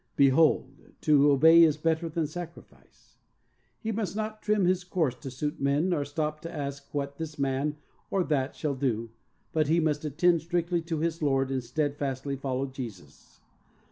"Behold, to obey is better than sacrifice." He must not trim his course to suit men, nor stop to ask what this man or that shall do, but he must attend strictly to his Lord and steadfastly follow Jesus.